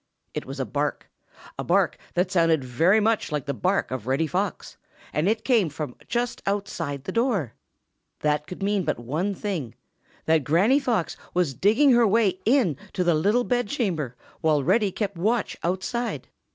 It was a bark, a bark that sounded very much like the bark of Reddy Fox, and it came from just outside the door! That could mean but one thing that old Granny Fox was digging her way in to the little bedchamber, while Reddy kept watch outside.